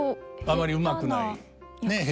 あまりうまくないねえ